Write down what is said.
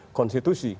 dan juga konstitusi